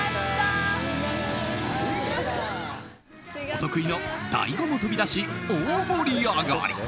お得意のＤＡＩ語も飛び出し大盛り上がり。